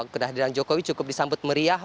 kehadiran jokowi cukup disambut meriah